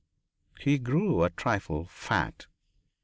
He grew a trifle fat.